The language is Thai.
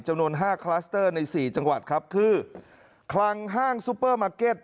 จำนวน๕คลัสเตอร์ใน๔จังหวัดครับคือคลังห้างซูเปอร์มาร์เก็ต